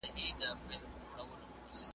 سر افسر د علم پوهي پر میدان وو .